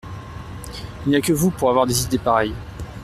Il n’y a que vous pour avoir des idées pareilles.